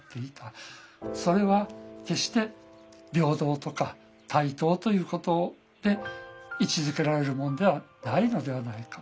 それは決して平等とか対等ということで位置づけられるものではないのではないか。